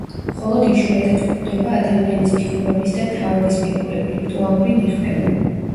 მხოლოდ იშვიათად გვხვდება ადამიანის ფიგურების და თავების ფიგურები, რიტუალური ნიღბები.